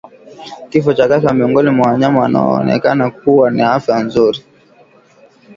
Kifo cha ghafla miongoni mwa wanyama wanaoonekana kuwa na afya nzuri